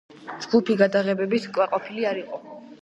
ჯგუფი გადაღებებით კმაყოფილი არ იყო.